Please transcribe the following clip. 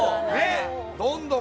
どんどん。